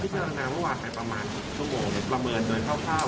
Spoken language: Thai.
พี่เชิญลังงานเมื่อไหร่ประมาณ๑๐ชั่วโมงประเมิดโดยเท่า